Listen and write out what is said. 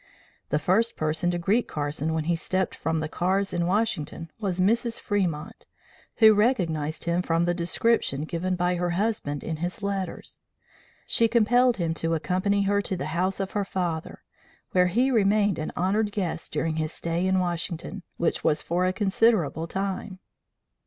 The first person to greet Carson when he stepped from the cars in Washington was Mrs. Fremont, who recognized him from the description given by her husband in his letters. She compelled him to accompany her to the house of her father, where he remained an honored guest during his stay in Washington, which was for a considerable time.